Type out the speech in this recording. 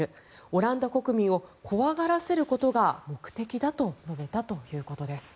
オランダ国民を怖がらせることが目的だと述べたということです。